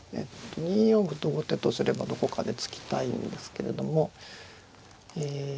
２四歩と後手とすればどこかで突きたいんですけれどもええ